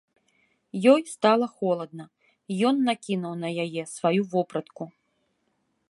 Ёй стала холадна, ён накінуў на яе сваю вопратку.